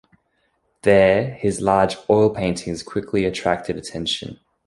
There his large oil paintings quickly attracted attention.